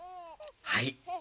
はい。